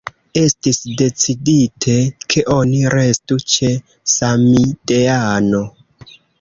Estis decidite, ke oni restu ĉe „samideano”.